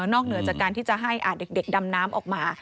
เหนือจากการที่จะให้เด็กดำน้ำออกมา